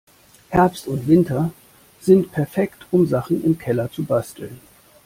Herbst und Winter sind perfekt, um Sachen im Keller zu basteln.